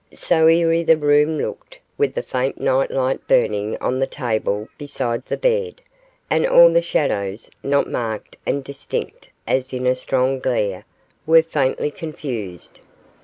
So eerie the room looked with the faint night light burning on the table beside the bed, and all the shadows, not marked and distinct as in a strong glare, were faintly confused.